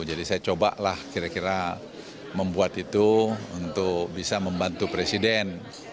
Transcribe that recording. jadi saya coba lah kira kira membuat itu untuk bisa membantu presiden